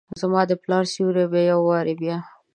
زما دپلا ر سیوري به یووارې بیا،